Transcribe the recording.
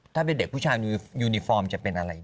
ถ้าเป็นเด็กผู้ชายยูนิฟอร์มจะเป็นอะไร